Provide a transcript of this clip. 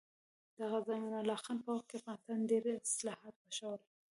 د غازي امان الله خان په وخت کې افغانستان کې ډېر اصلاحات وشول